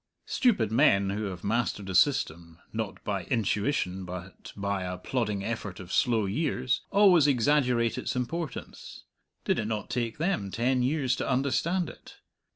Stupid men who have mastered a system, not by intuition but by a plodding effort of slow years, always exaggerate its importance did it not take them ten years to understand it?